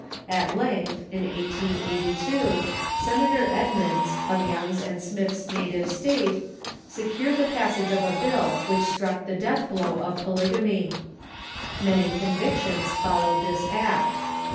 At length, in 1882, Senator Ed munds, of Young's and Smith's native state, secured the pas sage of a bill which struck the death blow of polygamy. Many convictions followed this act.